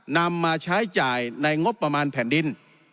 นำมาใช้จ่ายในงบประมาณแผ่นดิน